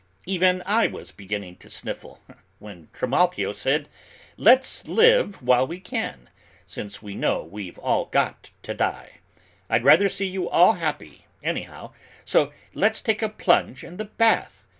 Even I was beginning to sniffle, when Trimalchio said, "Let's live while we can, since we know we've all got to die. I'd rather see you all happy, anyhow, so let's take a plunge in the bath.